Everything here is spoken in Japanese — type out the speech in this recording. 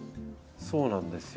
そうなんですよ。